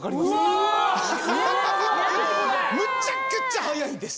むっちゃくっちゃ早いんです